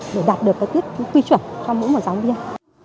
để đạt được cái quy chuẩn cho mỗi một giáo viên